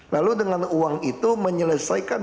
lalu dengan uang itu menyelesaikan